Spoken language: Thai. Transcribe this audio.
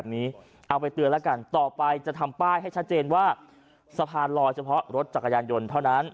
เอาไปเตือนแล้วกันต่อไปจะทำป้ายให้ชัดเจนว่าสะพานลอยเฉพาะรถจักรยานยนต์เท่านั้น